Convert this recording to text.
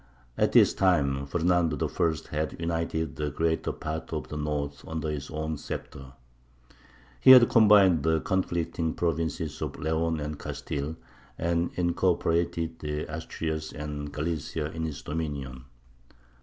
At this time Fernando the First had united the greater part of the north under his own sceptre. He had combined the conflicting provinces of Leon and Castile, and incorporated the Asturias and Galicia in his dominions.